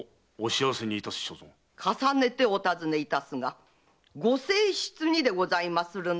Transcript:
重ねてお尋ねいたすがご正室にでございまするな？